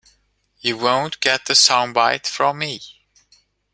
You won’t get a soundbite from me.